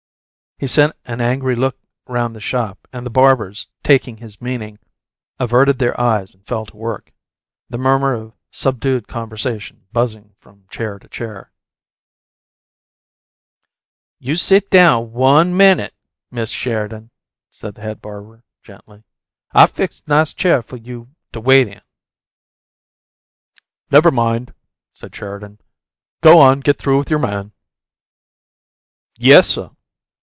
He sent an angry look round the shop, and the barbers, taking his meaning, averted their eyes and fell to work, the murmur of subdued conversation buzzing from chair to chair. "You sit down ONE minute, Mist' Sheridan," said the head barber, gently. "I fix nice chair fo' you to wait in." "Never mind," said Sheridan. "Go on get through with your man." "Yessuh."